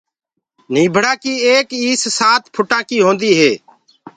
نيٚڀڙآ ڪيٚ ايڪ ايس سآت ڦُٽآنٚ ڪيٚ هونٚديٚ هي